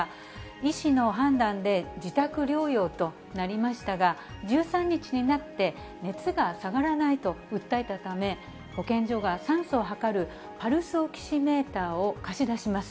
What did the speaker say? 医師の判断で自宅療養となりましたが、１３日になって、熱が下がらないと訴えたため、保健所が酸素を測るパルスオキシメーターを貸し出します。